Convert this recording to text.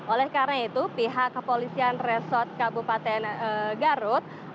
oleh karena itu pihak kepolisian resort kabupaten garut